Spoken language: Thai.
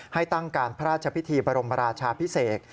ให้ตั้งการพระราชพิธีบรมราชาพิเศษ